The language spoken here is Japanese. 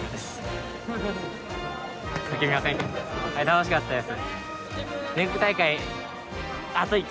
楽しかったです。